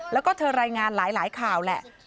แล้วก็เธอรายงานหลายข่าวแหละ